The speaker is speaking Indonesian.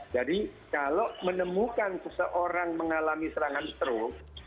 jadi kalau menemukan seseorang mengalami serangan struk